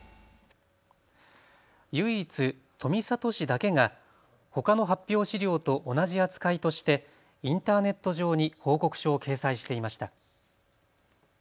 唯一、富里市だけがほかの発表資料と同じ扱いとしてインターネット上に報告書を掲載していました。